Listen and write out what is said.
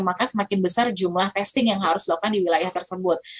maka semakin besar jumlah testing yang harus dilakukan di wilayah tersebut